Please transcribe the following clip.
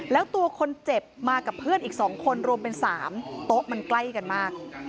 แล้วตัวคนเจ็บมากับเพื่อนอีก๒คนรวมเป็น๓โต๊ะมันใกล้กันมาก